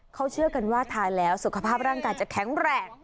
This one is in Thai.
เขาเชื่อกันว่าทานแล้วสุขภาพร่างกายจะแข็งแรง